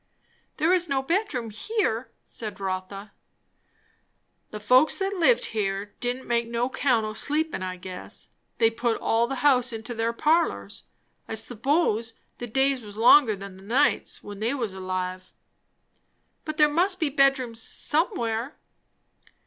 "There is no bedroom here," said Rotha. "The folks that lived here didn't make no 'count o' sleepin', I guess. They put all the house into their parlours. I suppose the days was longer than the nights, when they was alive." "But there must be bedrooms somewhere?"